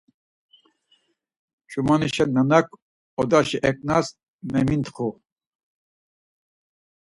Ç̌umanişe nanak odaşi eǩnas memintxu.